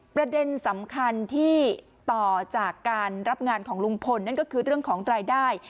ประเด็นสำคัญที่ต่อจากการรับงานของลุงพลนั่นก็คือเรื่องของรายได้